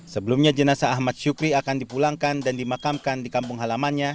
sebelumnya jenazah ahmad syukri akan dipulangkan dan dimakamkan di kampung halamannya